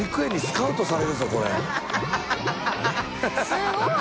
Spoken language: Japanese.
すごい！